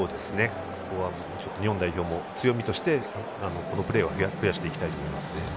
ここは日本代表も強みとしてこのプレーを増やしていきたいと思います。